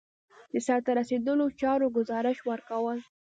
د سرته رسیدلو چارو ګزارش ورکول.